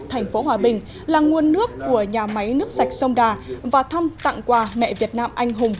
thành phố hòa bình là nguồn nước của nhà máy nước sạch sông đà và thăm tặng quà mẹ việt nam anh hùng